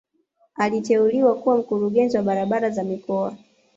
Aliteuliwa kuwa mkurugenzi wa barabara za mikoa